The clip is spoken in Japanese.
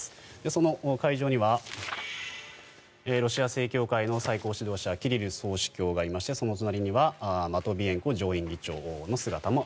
その会場にはロシア正教会の最高指導者キリル総主教がいましてその隣にはマトヴィエンコ上院議長の姿も